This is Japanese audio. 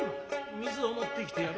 水を持ってきてやる。